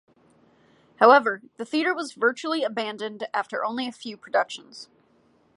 However, the theatre was virtually abandoned after only a few productions.